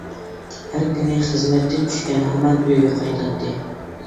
ھەر كۈنى خىزمەتتىن چۈشكەن ھامان ئۆيگە قايتاتتى.